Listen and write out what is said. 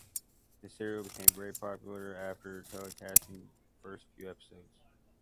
The serial became very popular after telecasting first few episodes.